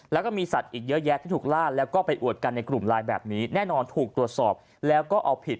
แล้วก็มีสัตว์อีกเยอะแยะที่ถูกล่าแล้วก็ไปอวดกันในกลุ่มไลน์แบบนี้แน่นอนถูกตรวจสอบแล้วก็เอาผิด